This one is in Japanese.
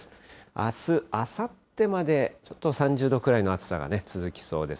あす、あさってまで、ちょっと３０度くらいの暑さが続きそうです。